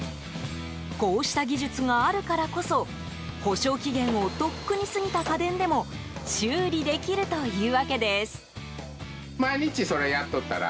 こうした技術があるからこそ保証期限をとっくに過ぎた家電でも修理できるというわけです。